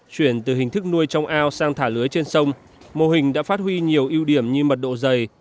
chuyển từ hình thức nuôi trong ao sang thả lưới trên sông mô hình đã phát huy nhiều ưu điểm như mật độ dày